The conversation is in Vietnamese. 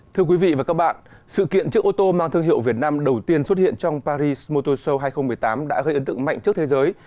thưa quý vị và các bạn sự kiện trước ô tô mang thương hiệu việt nam đầu tiên xuất hiện trong paris motor show hai nghìn một mươi tám đã gây ấn tượng mạnh trước thế giới